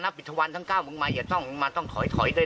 นักฤตรวรรค์ทั้ง๙มึงมายังต้องมึงมาต้องถอยด้วย